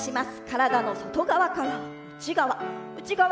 体の外側から内側。